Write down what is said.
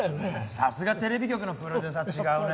さすがテレビ局のプロデューサーは違うね。